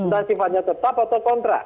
dan sifatnya tetap atau kontrak